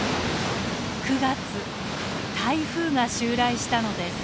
台風が襲来したのです。